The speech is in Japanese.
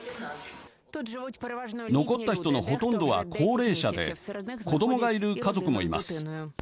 残った人のほとんどは高齢者で子どもがいる家族もいます。